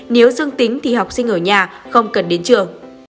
nếu dương tính thì học sinh ở nhà không cần đến trường